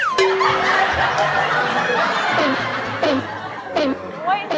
ขาดเปลื้อ